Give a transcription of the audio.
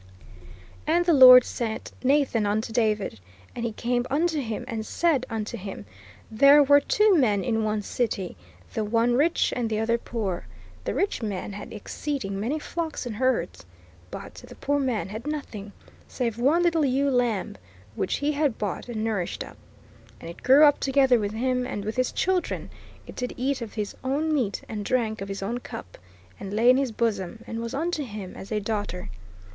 "And the Lord sent Nathan unto David. And he came unto him, and said unto him, There were two men in one city; the one rich and the other poor. The rich man had exceeding many flocks and herds: "But the poor man had nothing, save one little ewe lamb, which he had bought and nourished up: and it grew up together with him, and with his children; it did eat of his own meat and drank of his own cup, and lay in his bosom, and was unto him as a daughter.